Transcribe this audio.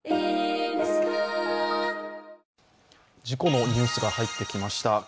事故のニュースが入ってきました。